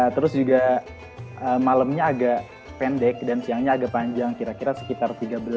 terus juga malamnya agak pendek dan siangnya agak panjang kira kira sekitar tiga belas